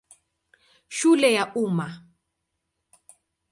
Shule ya Umma.